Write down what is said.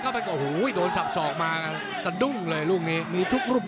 พูดถึงคุมต้องใช้แล้วเรื่องยอดมวยไทรัศน์